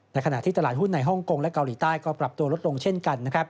ขณะที่ตลาดหุ้นในฮ่องกงและเกาหลีใต้ก็ปรับตัวลดลงเช่นกัน